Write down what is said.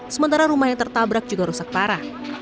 sementara rumah yang tertabrak juga rusak parah